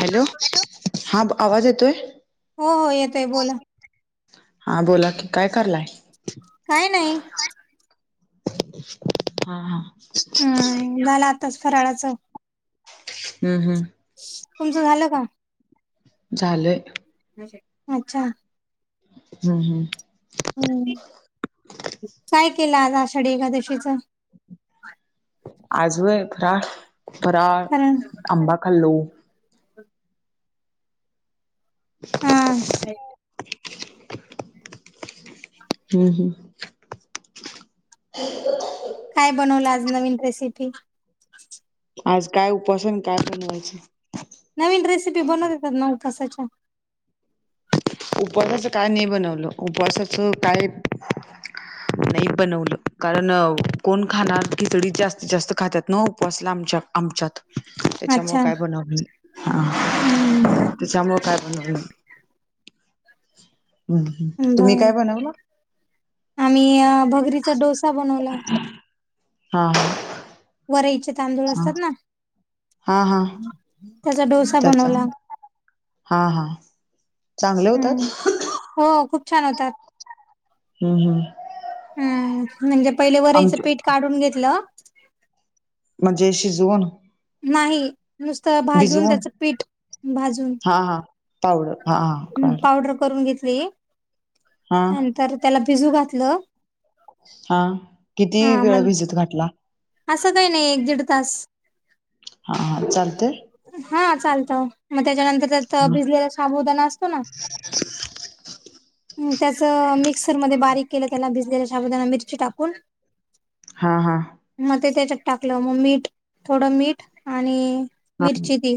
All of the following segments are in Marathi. हॅलो हा आवाज येतोय? हो हो येतोय बोला. हा बोला की काय करालाय. काय नाही. हा हा. हम्म झालं आताच फराळाचं. हम्म हम्म. तुमचं झालं का? झालंय. अच्छा- हम् हम्म. ह काय केलं आज आषाढी एकादशीच? आज व्हय फराळ फराळ कारण आंबा खाल्लो. हम. हम्म हम्. काय बनवलं आज नवीन रेसिपी? आज काय उपवास आणि काय बनवायच? नवीन रेसिपी बनवता येतात नव्ह उपवासच्या उपवासाचं काय नाही बनवलं उपवासाचं काय नाही बनवलं कारण कोण खाणार खिचडी जास्तीत जास्त खातात न उपवासला आमच्यात. आमच्यात. तेच्यामुळे अच्छा काय बनवलं नाही, हा हा हम्म तेच्या मूळ काय बनवलं नाही. हम तुम्ही बर काय बनवलं? आम्ही भगरीचा डोसा बनवला. हा. हा वरईचे तांदूळ हा असतात ना. हा हा त्याचा डोसा त्याचा बनवला हा हा. चांगले होतात हम्म हो खूप छान होतात हम्म. हम्म म्हणजे वरईचे आमच पीठ काढून घेतलं. म्हणजे शिजवून? नाही नुसतं भाजून भिजवून त्याचं पीठ भाजून हा हा पावडर हा हा हम्म कळालं पावडर करून घेतली. हा नंतर त्याला बिजू घातलं, हा किती हा वेळ मग भीजत घातला? असं काही नाही एक दीड तास. हा हा चालतय. हा चालतं, मग त्याच्यानंतर बिजलेला साबुदाणा असतो ना [inaudible] त्यास मिक्सर मध्ये बारीक केलं त्याला भिजलेल्या शाबुदाना मिरची टाकून [inaudible] हा हा. मग ते त्याच्यात टाकलं मग मीठ थोडं मीठ आणि मिरची ती.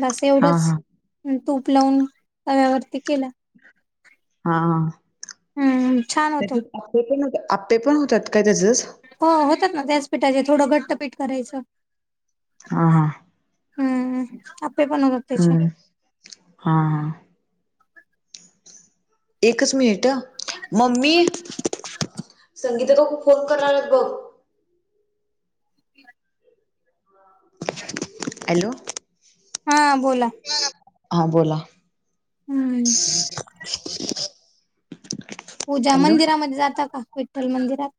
बास हा येवढच हा तूप लावून तव्यावरती केल. हा हा हा. हम्म हम्म छान होतं. त्याच्यात आप्पे पण आप्पे पण होतात काय त्याचंच? हो होतात ना त्याच पीठाचे थोडं घट्ट पीठ करायचं. हां हां. हम्म आप्पे पण होतात. त्याचे हम्म हा हा. एकच मिनिट ह, मम्मी संगीता काकू फोन करल्यात बग. [inaudible] हॅलो. हा बोला. हा बोला. हम्म. पूजा हॅलो मंदिरामध्ये जाता का विठ्ठल मंदिरात?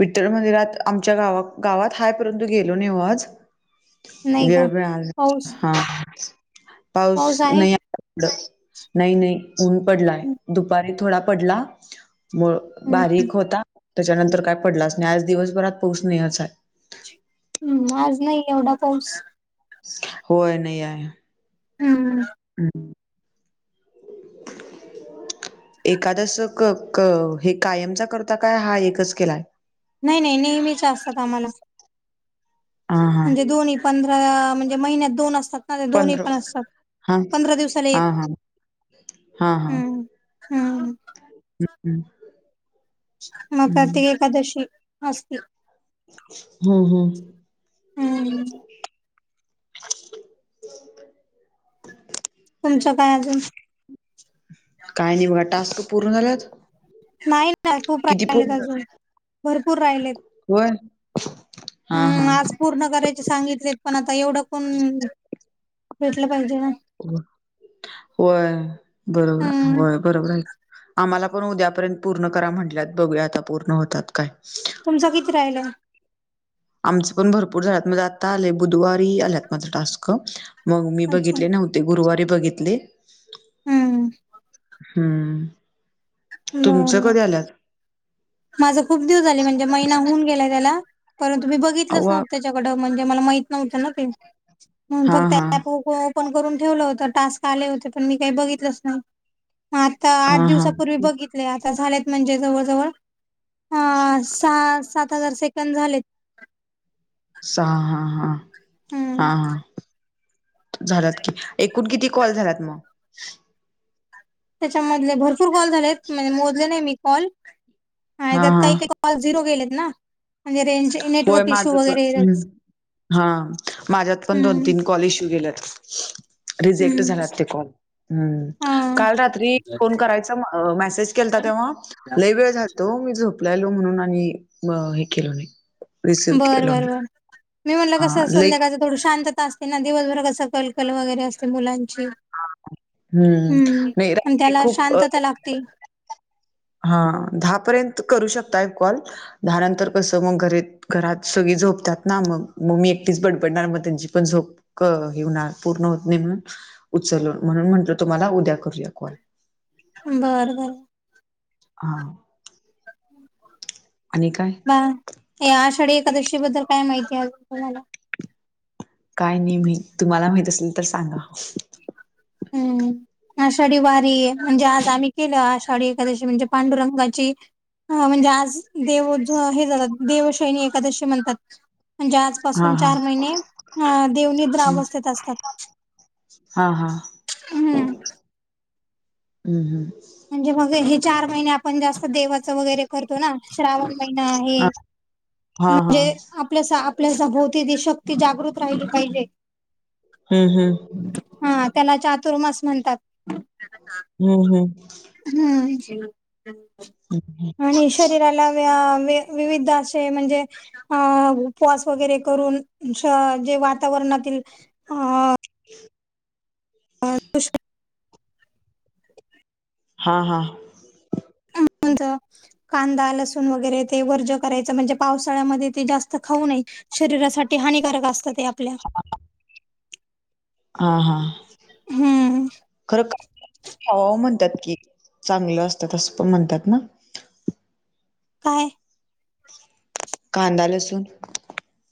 विठ्ठल मंदिरात आमच्या गाव गावात हाय परंतु गेलो नो आज. नाही वेळ का मिळाला पाऊस नाही हा पाऊस नाही नाही नाही ऊन पडलंय हम्म दुपारी थोडा पडला मुळ बारीक होता, त्याच्यानंतर काय पडलाच नाही आज दिवसभरात पाऊस नाहीच आहे. म आज नाही एवढा पाऊस. होय नाही हाय. हम्. [inaudible] एकादस क क हे कायमचा करता काय? हा एकच केलाय? नाही नाही नेहमीच असतात आम्हाला. हा हा म्हणजे दोन्ही पंधरा म्हणजे महिन्यात दोन असतात. माझ्या दोन्ही पंधरा पण असतात. हा पंधरा दिवसाला एक. हा हा हा हा हम्म. हम. [unintelligible] म का ती हम्म एकादशी आसती. हम्म हम्म. हुंम्म. तुमच्या काय आजून? काय नाही बघा टास्क तर पूर्ण झाल्यात? नाही ना. खूप किती राहिलेत पूर्ण अजून, भरपूर राहिलेत. होय. हा हा. हम्म आज पूर्ण करायचे सांगितलेत पण आता एवढं कोण भेटलं पाहिजे ना. होय, बरोबर हम्म होय. बरोबर आहे, आम्हाला पण उद्यापर्यंत पूर्ण करा म्हंटल्यात, बघूया आता पूर्ण होतात काय? तुमचा किती राहिला? आमचे पण भरपूर झालेत, म्हणजे आता आले बुधवारी आल्यात माझं टास्कं, मग मी अच्छा बघितले नव्हते. ते गुरुवारी बघितले. हम्म. हुंम्म, तुमच्या कधी आल्यात? माझा खूप दिवस झाले म्हणजे महिना होऊन गेला त्याला, परंतु मी बघितलंच अव्वा नव्हते. [unintelligible] म्हणजे मला माहित नव्हतं ना ते. हा नंतर त्या हा त्या ग्रुप वर आपण करून ठेवलं होत, टास्क आले होते, पण मी काही बघितलंच नाही. आता आठ हा हा दिवसांपूर्वी बघितलेय, आता झालेत म्हणजे जवळजवळ. ह सहा सात हजार सेकंद झालेत. सा हा हा हम्म हा. झाल्यात की, एकूण किती कॉल झाल्यात मग? त्याच्यामधले भरपूर कॉल झालेत, म्हणजे मोजले नाहीत मी कॉल, हा त्यात हा काही काही कॉल झिरो गेलेत ना, म्हणजे रेंजचे नेटवर्क इश्यू वगैरे. हां, माझ्यात पण दोन हम्म तीन कॉल इशू गेल्यात. रिजेक्ट हम्म झाल्यात ते कॉल. हम्, हा काल रात्री फोन करायचा मेसेज केलता तेव्हा, लय वेळ झाल तो मी झोपलायलो म्हणून, आणि हे केलो नाही. रिसीव्ह बरं केलो बरं नाही बरं, मी म्हणलं हा कसं लई संध्याकाळचं थोड शांतता असते ना, दिवसभर कस कलकल वगैरे असते मुलांची. हम्म, नाही आणि रात्री त्याला खूप अ शांतता लागती. हा दहापर्यंत करू शकताय कॉल, दहा नंतर कसं मग घरी घरात सगळी झोपतात ना, मग मम्मी एकटीच बडबडणार, मग त्यांची पण झोप. क हे हुणार, पूर्ण होत नाही, म्हणून उचल म्हणून म्हटलं तुम्हाला उद्या करूया कॉल. बरं बर. हा. आणि काय? हा ते आषाढी एकादशी बद्दल काय माहिती आहे तुम्हाला? काय नाही माहित. तुम्हाला माहित आसल तर सांगा? हम्म. आषाढी वारी, म्हणजे आज आम्ही केलं. आषाढी एखादशी म्हणजे पांडुरंगाची हा म्हणजे आज देव हे जातात, देवशयनी एकादशी म्हणतात. म्हणजे आज हा पासून हा चार महिने, अ देव निद्रा अवस्थेत असतात. हा हा, हम्म. हम्म हम्म. म्हणजे मग हे चार महिने आपण जास्त देव च वगैरे करतो ना. श्रावण महिना हा हा हे आपल्यास सभोवती ती शक्ती जागृत राहिली पाहिजे. हम्म हम्म. हा त्याला चातुर्मास म्हणतात. हम्म हम्म. हम्म, आणि शरीराला अ वे विविध असे म्हणजे अ उपवास वगैरे करून, जे वातावरणातील अ [inaudible] [inaudible] हां हां. कोनच? कांदा लसूण वगैरे ते वर्ज करायचं. म्हणजे पावसाळ्यामध्ये ते जास्त खाऊ नये. शरीरासाठी हानिकारक असत ते आपल्या. हा हा, हम्म खरं का ओव्या म्हणतात की, चांगलं असत असं पण म्हणतात ना. काय? कांदा लसून.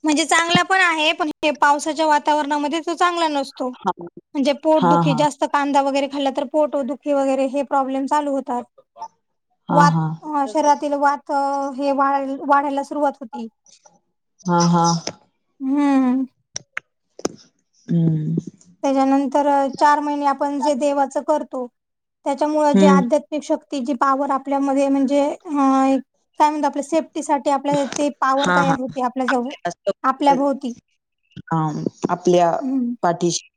म्हणजे चांगला पण आहे. पण हे पावसाच्या वातावरणामध्ये तो चांगला नस तो. हा म्हणजे हा पोटदुी हा जास् स्त कांदा वगैरे खल्ला तर पोटो दुखी वगैरे हे प्रॉब्लेम चालू होतात. हा वात, हा शरीरातील वात हे वाढ वाढायला सुरुवात होती. हा हा. हम्म. हम्म. त्याच्यानंतर चार महिने आपण जे देवाच करतो. त्याच्यामुळे जे हम्म आध्यात शक्ती जी पॉवर आपल्यामध्ये, म्हणजे अ काय म्हणतो आपल्या सेफ्टी साठी ती पॉवर हा हा होते आपल्या जवळ. आपल्या भोवती. हा, आपल्या हम्म पाठीशी.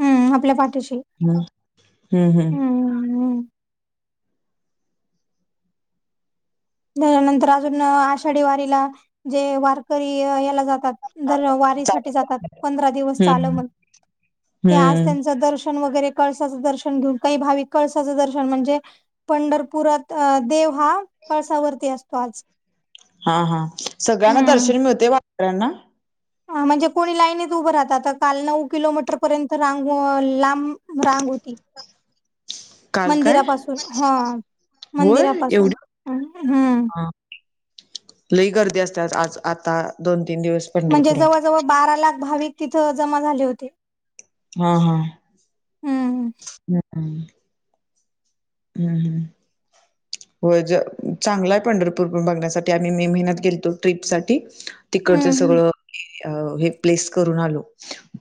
हम्म, आपल्या पाठीशी. हम्म, हम्म हम्म. त्याच्यानंतर अजून आषाढी वारीला जे वारकरी याला जातात. दर वारीसाठी चालेल जातात. पंधरा दिवस चाल हम्म मग ते आज हम्म त्यांचं दर्शन वगैरे, कळसाचं दर्शन घेऊन. काही भाविक कळसाचं दर्शन म्हणजे पंढरपुरात अ देव हा कळसावरती असतो आज. हा हा. सगळ्यांना दर्शन मिळते? वाऱ्यांना? अ म्हणजे कोणी लाईनीत उभं राहत. आता काल नऊ किलोमीटर पर्यंत अ रांग लांब रांग होती. काल काय मंदिरापासून हं. होय मंदिरापासून एवढी हम्म. हा लई गर्दी असतेया. आज आता दोन तीन दिवस. म्हणजे पंढरपुरात जवळजवळ बारा लाख भाविक तिथं जमा झाले होते. हा. हा. हम्म हम्. हम्. हो ज चांगलाय पंढरपूर पण बघण्यासाठी. आम्ही मे महिन्यात गेलतो ट्रीप साठी. तिकडच हम्म सगळं हे प्लेस करून आलो.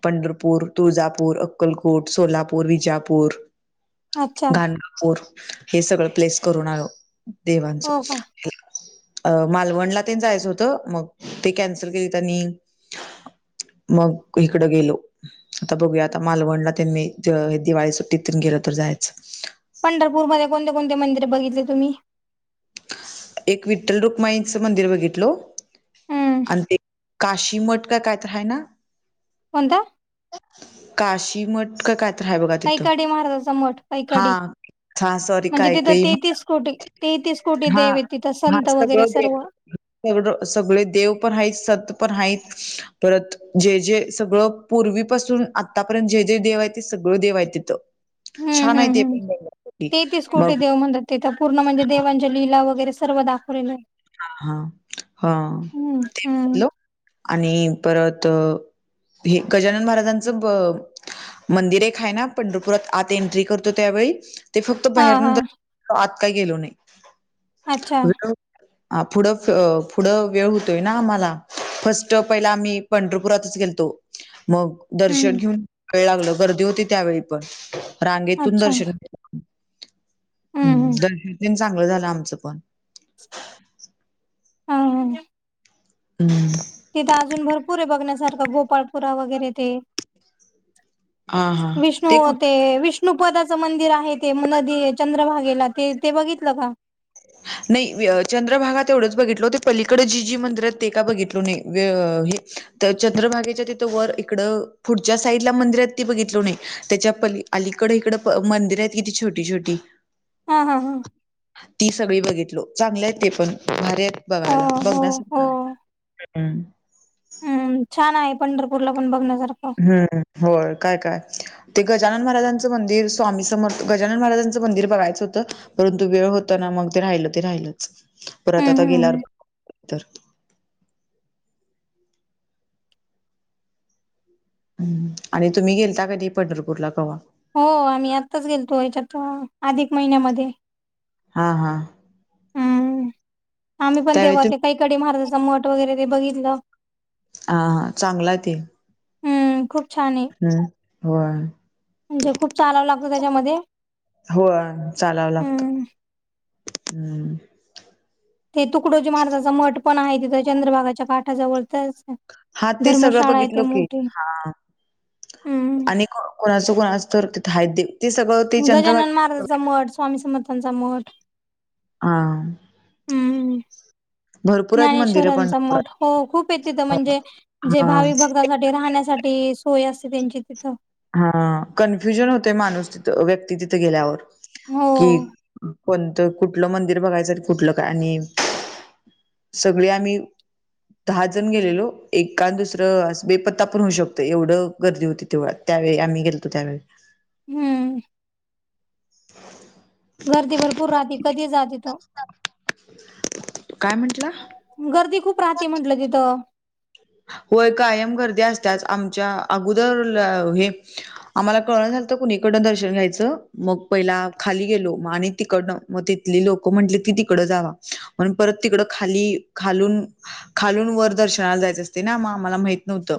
पंढरपूर, तुळजापूर, अक्कलकोट, सोलापूर, विजापूर. अच्छा गाणगापुर हे सगळं प्लेस करून आलो. देवांचं. हो का अ मालवणला तेन जायचं होतं. मग ते कॅन्सल केली त्यांनी. मग इकडं गेलो. आता बघूया. आता मालवणला त्यां मी दिवाळी सुट्टीतून गेल तर जायचं. पंढरपूरमध्ये कोणते कोणते मंदिर बघितले तुम्ही? एक विठ्ठल रखुमाईचं मंदिर बघितलो. हम्म आणि ते- काशीमठ का काय त आहे ना? कोणता? काशी मठ का काय - कैकाडे महाराजांचा मठ हा कैकाडे. हा सॉरी म्हणजे तिथं कायकई तेहतीस कोटी तेहतीस कोटी हा देव येत तिथं. संत वगैरे सर्व. सगड सगळे देव पण आहेत सत पण आहेत. परत जे जे सगळं पूर्वीपासून आत्तापर्यंत जे जे देव आहे ते सगळं देव आहे तिथं. हम्म छान आहे हम्म ते हम्म पण [unintelligible] तेहतीस कोटी मग- देव म्हणतात तिथं पूर्ण म्हणजे देवांच्या लीला वगैरे सर्व दाखवलेल्याय. हा. हा. हा. हम्म हम्म हॅलो. आणि परत -हे गजानन महाराजांचं. ब - मंदिर एक हाय ना? आत एन्ट्री करतो त्यावेळी? ते फक्त हा बाहेरन हा द, आत काही गेलो नाही. अच्छा हा फुढं फुढं वेळ होतोय ना आम्हाला. फर्स्ट पहिला आम्ही- पंढरपुरातच गेलतो. मग दर्शन हम्म घेऊन वेळ लागलं. गर्दी होती त्यावेळी पण. रांगेतून अच्छा दर्शन- हम्म हं. हम्म दर्शन तेन चांगलं झालं आमचं पण. हं. हं. हम्म. तिथे अजून भरपूर आहे बघण्यासारखं गोपाळपुरा वगैरे ते. हां, हां. विष्णु कुठ ते विष्णु- नुपदाचं मंदिर आहे ते. नदी चंद्रभागेला ते ते बघितलं का? नाही. चंद्रभागा तेवढंच बघितलो. ते पलीकडे जी जी मंदिर येत ते का बघितलो नाही. वे हे - तर चंद्रभागेच्या तिथं वर इकडं फुढच्या साईडला मंदिर यत ते बघितलो नाही. त्याच्या पली अलीकड इकडं मंदिर आहेत किती छोटी छोटी. हा. हा. हा. ती सगळी बघितलो. चांगलेय ते पण. भारी आहेत हो बघायला. हो हो बघण्यासारखं आ - हम्म. छान आहे पंढरपूरला पण बघण्यासारखं. हम्म होय काय काय?? ते गजानन महाराजांचं मंदिर स्वामी समर्थ गजानन महाराजांचं मंदिर बघायचं होतं परंतु वेळ होतो ना मग ते राहिलं ते राहिलंच, परत हम्म आता हम्म गेल्यावर हम्म. बघू ह् आणि तुम्ही गेलता कधी पंढरपूर ला कवा? हो आम्ही आत्ताच गेलतो याच्यात अधिक महिन्यामध्ये हा हा.. हम्म आम्ही पण त्यावेळी तेव्हा ते तुम्ही कैकडी महाराजाचा मठ ते बघितलं हां चांगलंय आहे ते हम् खूप छान आहे हम्म होय म्हणजे खूप चालाव लागतं त्याच्यामध्ये हो चालावं लागतं हम्म हम्म.. ते तुकडोजी महाराजाचा मठ पण आहे तिथं, चंद्रभागाच्या काठाजवळच हा ते सगळं बघितलो की हा हम्म आणि कोणाचं कोणाच तर तिथे आहेत ते सगळं ते गजानन चंद्रभागा महाराजांचा मठ स्वामी समर्थांचा मठ हां.. हम्म ज्ञानेश्वरांचा मठ, पंढरपुरात हो खूपय तिथ म्हणजे जे हा भावि भक्त बघण्यासाठी, राहण्यासाठी सोय असते त्यांची तिथं हा कन्फ्युजन होते माणूस तिथ व्यक्ती तिथं गेल्यावर हो कि कोणतं कुठलं मंदिर बघायचं कुठलं काय आणि सगळी आम्ही दहा जण गेलेलो एखाद आणि दुसरं बेपत्ता पण होऊ शकत एवढं गर्दी होती देवळात त्यावेळी आम्ही गेलतो त्यावेळी हम्म.. [unintelligible] गर्दी भरपूर राहते कधीही जात तिथं काय म्हंटला? गर्दी खूप राहते म्हंटलं तिथं होय कायम गर्दी असत्याच आमच्या अगोदर हे आम्हाला कळना झालंत, तर कुणीकडनं दर्शन घ्यायचं मग पहिला खाली गेलो आणि तिकडनं मग तिथली लोकं म्हंटले ती तिकड जावा मग परत तिकड खाली खालून खालून वर दर्शनाला जायच असते ना आम्हाला माहित नव्हतं